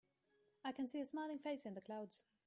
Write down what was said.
I can see a smiling face in the clouds.